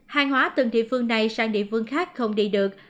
hàng hóa từng địa phương này sang địa phương khác không đi được